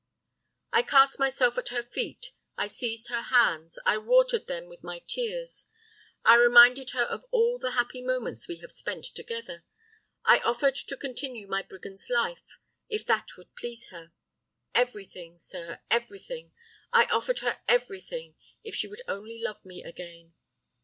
"I cast myself at her feet, I seized her hands, I watered them with my tears, I reminded her of all the happy moments we had spent together, I offered to continue my brigand's life, if that would please her. Everything, sir, everything I offered her everything if she would only love me again.